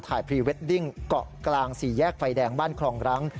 พรีเวดดิ้งเกาะกลางสี่แยกไฟแดงบ้านคลองรัง